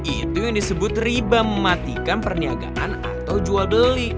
itu yang disebut riba mematikan perniagaan atau jual beli